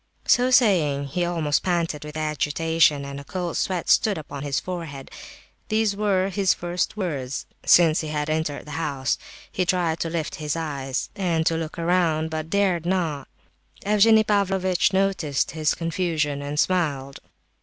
So saying, he almost panted with agitation, and a cold sweat stood upon his forehead. These were his first words since he had entered the house; he tried to lift his eyes, and look around, but dared not; Evgenie Pavlovitch noticed his confusion, and smiled.